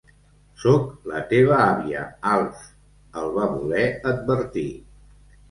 Soc la teva àvia, Alf —el va voler advertir.